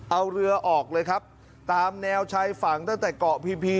เอาเรือออกเลยครับตามแนวชายฝั่งตั้งแต่เกาะพีพี